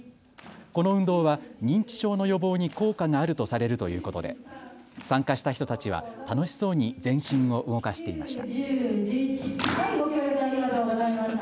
この運動は認知症の予防に効果があるとされるということで参加した人たちは楽しそうに全身を動かしていました。